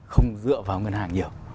không dựa vào ngân hàng nhiều